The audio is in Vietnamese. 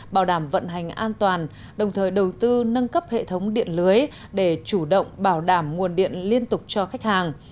bảo đảm vận hành an toàn đồng thời đầu tư nâng cấp hệ thống điện lưới để chủ động bảo đảm nguồn điện liên tục cho khách hàng